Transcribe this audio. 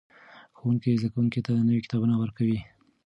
ښوونکي زده کوونکو ته نوي کتابونه ورکوي.